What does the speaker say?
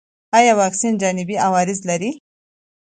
ایا واکسین جانبي عوارض لري؟